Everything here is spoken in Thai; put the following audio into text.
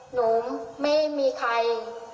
หนูไม่มีใคร